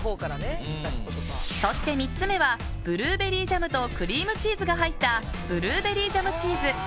そして３つ目はブルーベリージャムとクリームチーズが入ったブルーベリージャムチーズ。